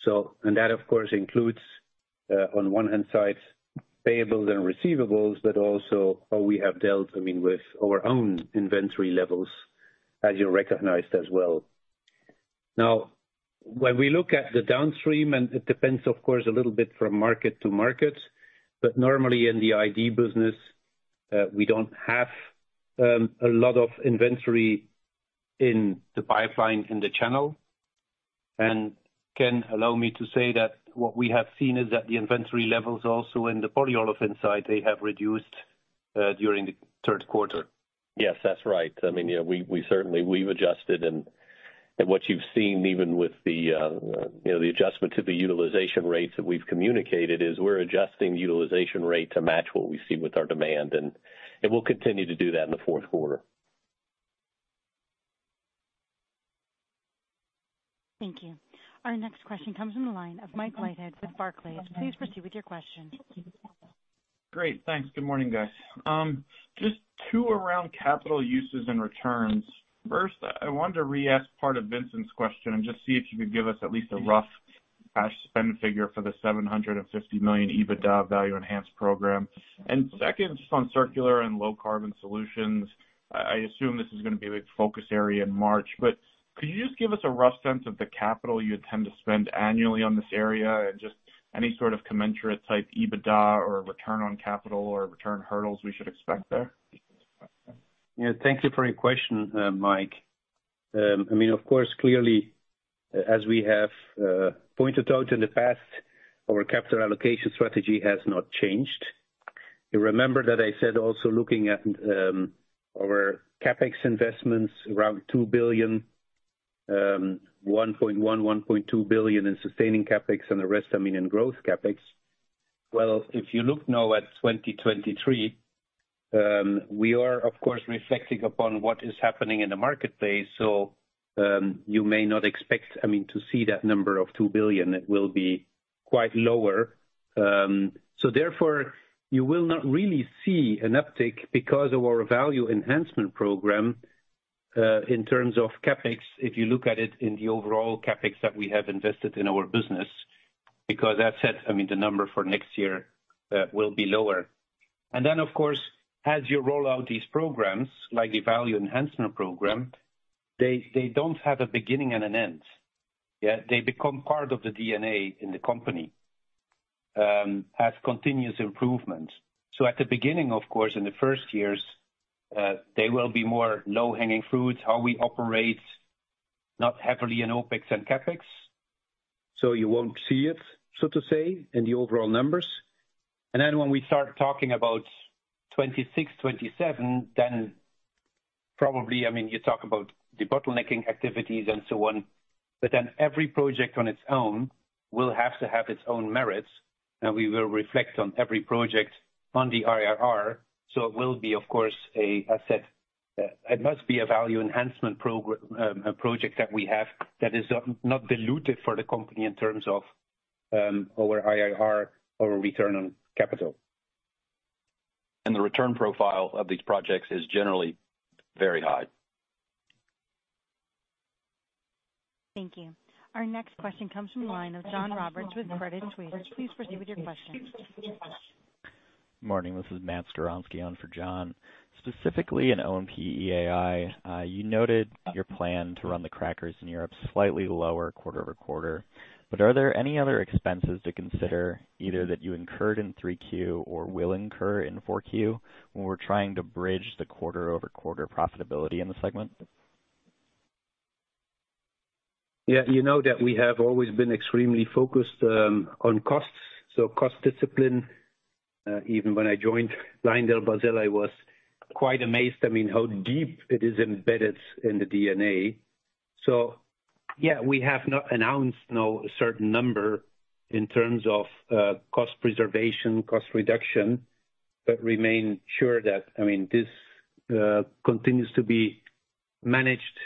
So that, of course, includes, on one hand side, payables and receivables, but also how we have dealt, I mean, with our own inventory levels, as you recognized as well. Now, when we look at the downstream, and it depends, of course, a little bit from market to market, but normally in the I&D business, we don't have a lot of inventory in the pipeline in the channel. Ken, allow me to say that what we have seen is that the inventory levels also in the polyolefin side, they have reduced during the third quarter. Yes, that's right. I mean, yeah, we certainly have adjusted and what you've seen even with the, you know, the adjustment to the utilization rates that we've communicated is we're adjusting utilization rate to match what we've seen with our demand, and we'll continue to do that in the fourth quarter. Thank you. Our next question comes from the line of Mike Leithead with Barclays. Please proceed with your question. Great. Thanks. Good morning, guys. Just two around capital uses and returns. First, I wanted to re-ask part of Vincent's question and just see if you could give us at least a rough cash spend figure for the $750 million EBITDA value enhancement program. Second, just on Circular and Low Carbon Solutions, I assume this is gonna be a big focus area in March, but could you just give us a rough sense of the capital you intend to spend annually on this area and just any sort of commensurate type EBITDA or return on capital or return hurdles we should expect there? Yeah. Thank you for your question, Mike. I mean, of course, clearly, as we have pointed out in the past, our capital allocation strategy has not changed. You remember that I said also looking at our CapEx investments, around $2 billion, $1.1, $1.2 billion in sustaining CapEx and the rest, I mean, in growth CapEx. Well, if you look now at 2023, we are of course reflecting upon what is happening in the marketplace. You may not expect, I mean, to see that number of $2 billion, it will be quite lower. Therefore, you will not really see an uptick because of our value enhancement program in terms of CapEx if you look at it in the overall CapEx that we have invested in our business because that sets, I mean, the number for next year will be lower. Of course, as you roll out these programs, like the value enhancement program, they don't have a beginning and an end, yeah. They become part of the DNA in the company as continuous improvement. At the beginning, of course, in the first years, they will be more low-hanging fruits, how we operate not heavily in OpEx and CapEx. You won't see it, so to say, in the overall numbers. When we start talking about 2026, 2027, then probably, I mean, you talk about the bottlenecking activities and so on. Every project on its own will have to have its own merits, and we will reflect on every project on the IRR. It will be of course an asset. It must be a value enhancement project that we have that is not diluted for the company in terms of our IRR or return on capital. The return profile of these projects is generally very high. Thank you. Our next question comes from the line of John Roberts with Credit Suisse. Please proceed with your question. Morning, this is Matthew Blair on for John. Specifically in O&P-EAI, you noted your plan to run the crackers in Europe slightly lower quarter-over-quarter. Are there any other expenses to consider either that you incurred in 3Q or will incur in 4Q when we're trying to bridge the quarter-over-quarter profitability in the segment? Yeah. You know that we have always been extremely focused, on costs, so cost discipline. Even when I joined LyondellBasell, I was quite amazed, I mean, how deep it is embedded in the DNA. Yeah, we have not announced no certain number in terms of, cost preservation, cost reduction, but remain sure that, I mean, this, continues to be managed,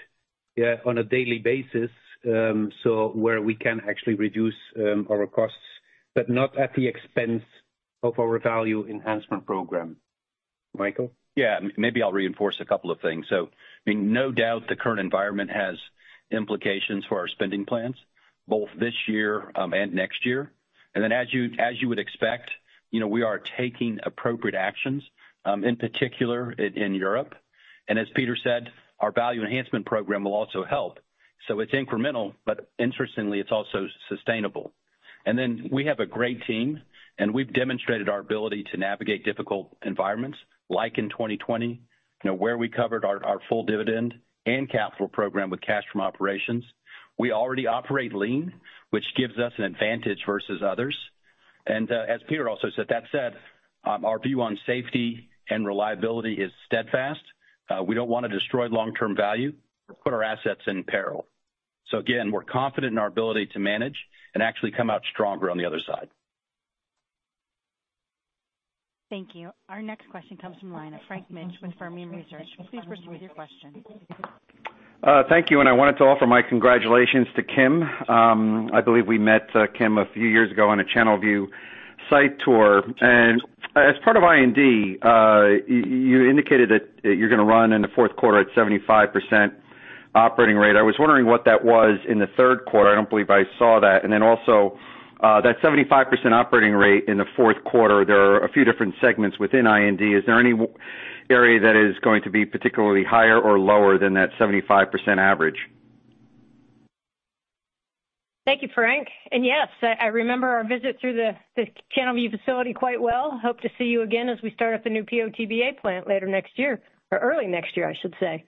yeah, on a daily basis, so where we can actually reduce, our costs, but not at the expense of our value enhancement program. Michael? Yeah. Maybe I'll reinforce a couple of things. I mean, no doubt the current environment has implications for our spending plans both this year and next year. As you would expect, you know, we are taking appropriate actions in particular in Europe. As Peter said, our value enhancement program will also help. It's incremental, but interestingly, it's also sustainable. And then we have a great team, and we've demonstrated our ability to navigate difficult environments like in 2020, you know, where we covered our full dividend and capital program with cash from operations. We already operate lean, which gives us an advantage versus others. As Peter also said, that said, our view on safety and reliability is steadfast. We don't wanna destroy long-term value or put our assets in peril. Again, we're confident in our ability to manage and actually come out stronger on the other side. Thank you. Our next question comes from line of Frank Mitsch with Fermium Research. Please proceed with your question. Thank you, I wanted to offer my congratulations to Kim. I believe we met Kim a few years ago on a Channelview site tour. As part of I&D, you indicated that you're gonna run in the fourth quarter at 75% operating rate. I was wondering what that was in the third quarter. I don't believe I saw that. That 75% operating rate in the fourth quarter, there are a few different segments within I&D. Is there any area that is going to be particularly higher or lower than that 75% average? Thank you, Frank. Yes, I remember our visit through the Channelview facility quite well. Hope to see you again as we start up the new PO/TBA plant later next year or early next year, I should say.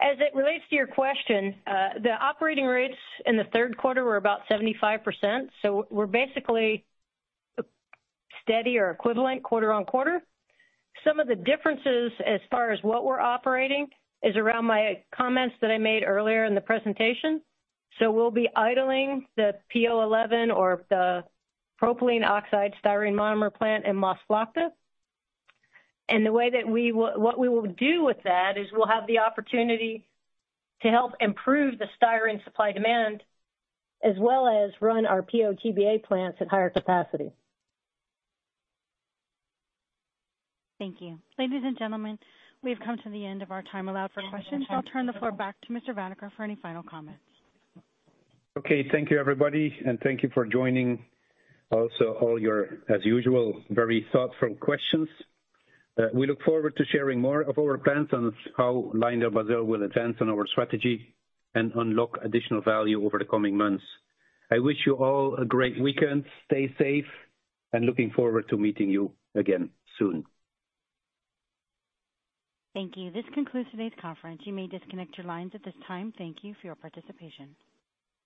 As it relates to your question, the operating rates in the third quarter were about 75%, so we're basically steady or equivalent quarter-on-quarter. Some of the differences as far as what we're operating is around my comments that I made earlier in the presentation. We'll be idling the PO-11 or the propylene oxide/styrene monomer plant in Maasvlakte. What we will do with that is we'll have the opportunity to help improve the styrene supply-demand as well as run our PO/TBA plants at higher capacity. Thank you. Ladies and gentlemen, we've come to the end of our time allowed for questions. I'll turn the floor back to Mr. Vanacker for any final comments. Okay, thank you, everybody, and thank you for joining. Also all your, as usual, very thoughtful questions. We look forward to sharing more of our plans on how LyondellBasell will advance on our strategy and unlock additional value over the coming months. I wish you all a great weekend. Stay safe, and looking forward to meeting you again soon. Thank you. This concludes today's conference. You may disconnect your lines at this time. Thank you for your participation.